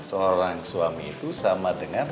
seorang suami itu sama dengan